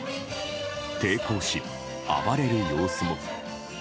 抵抗し、暴れる様子も。